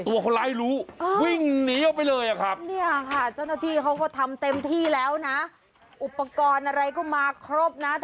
ตัวคนร้ายรู้วิ่งหนีออกไปเลยอ่ะครับ